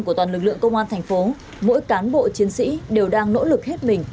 của toàn lực lượng công an thành phố mỗi cán bộ chiến sĩ đều đang nỗ lực hết mình